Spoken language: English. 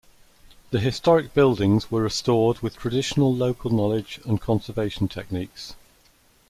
The historic buildings were restored with traditional local knowledge and conservation techniques.